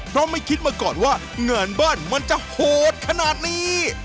เพราะไม่คิดมาก่อนว่างานบ้านมันจะโหดขนาดนี้